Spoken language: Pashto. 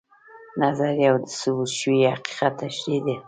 نظریه د ثبوت شوي حقیقت تشریح ده